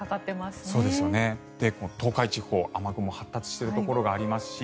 東海地方雨雲が発達しているところがありますし